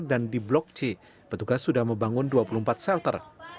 dan di blok c petugas sudah membangun dua puluh empat shelter